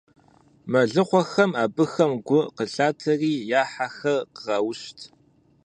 Мэлыхъуэхэм абыхэм гу къылъатэри, я хьэхэр къраушт.